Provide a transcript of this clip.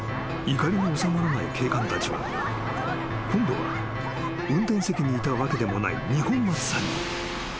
［怒りの収まらない警官たちは今度は運転席にいたわけでもない二本松さんに］